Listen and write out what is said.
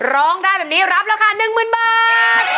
ร้องได้แบบนี้รับราคา๑๐๐๐บาท